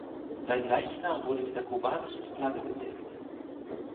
Sein Leichnam wurde mit der kubanischen Flagge bedeckt.